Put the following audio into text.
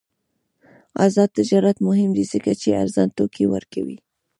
آزاد تجارت مهم دی ځکه چې ارزان توکي ورکوي.